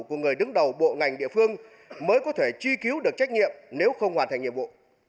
của người đứng đầu bộ ngành địa phương mới có thể chi cứu được trách nhiệm nếu không hoàn thành nhiệm vụ